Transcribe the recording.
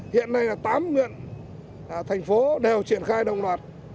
hiện nay là tám huyện thành phố đều triển khai đồng loạt